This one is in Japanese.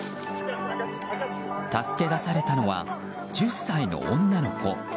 助け出されたのは１０歳の女の子。